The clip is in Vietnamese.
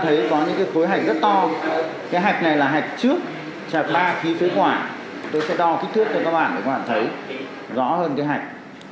tôi sẽ đo kích thước cho các bạn để các bạn thấy rõ hơn cái hạch